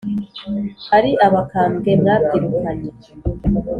Ari abakambwe mwabyirukanye